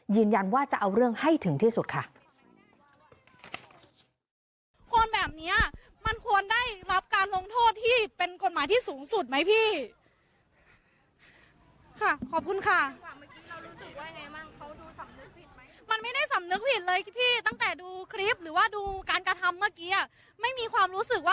ยืนยันว่าจะเอาเรื่องให้ถึงที่สุดค่ะ